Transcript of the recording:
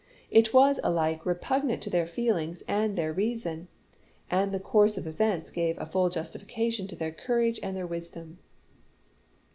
It was alike repugnant to their feelings and their reason, and the course of MEDIATION DECLINED 83 events gave a full justification to their courage and chap. iv. their wisdom.